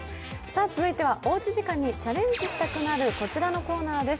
続いてはおうち時間にチャレンジしたくなるこちらのコーナーです。